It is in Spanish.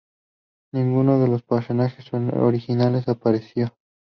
Ninguno de los personajes originales apareció.